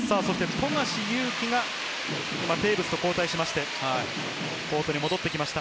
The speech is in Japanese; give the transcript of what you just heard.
富樫勇樹がテーブスと交代して、コートに戻ってきました。